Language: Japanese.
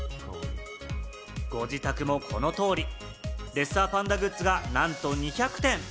ご自宅もこの通りレッサーパンダグッズがなんと２００点。